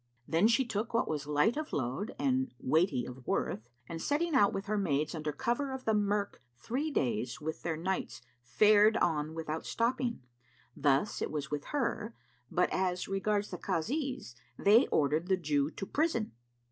Then she took what was light of load and weighty of worth, and setting out with her maids under cover of the murks three days with their nights fared on without stopping. Thus it was with her; but as regards the Kazis they ordered the Jew to prison.